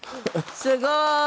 すごーい。